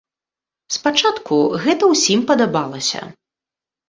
Спачатку гэта ўсім падабалася.